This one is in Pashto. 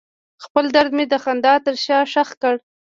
خپل درد مې د خندا تر شا ښخ کړ.